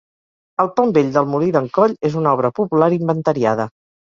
El Pont Vell del Molí d'en Coll és una obra popular inventariada.